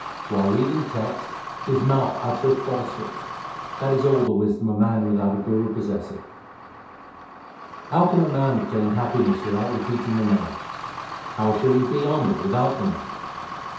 While reading texts his mouth uttereth falsehoods ; that is all the wisdom a man without a guru possesseth. How can man obtain happiness without repeating the Name ? How shall he be honoured without the Name